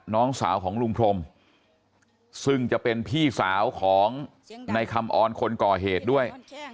น้องสาวของลุงพรมซึ่งจะเป็นพี่สาวของในคำออนคนก่อเหตุด้วย